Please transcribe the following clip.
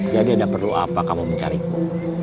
jadi tidak perlu apa kamu mencariku